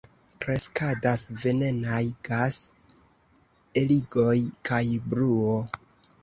Kreskadas venenaj gas-eligoj kaj bruo.